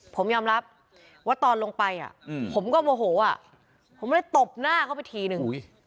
ผมยอมรับว่าตอนลงไปผมก็โมโหผมเลยตบหน้าเข้าไปทีนึง